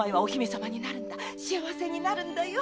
幸せになるんだよ！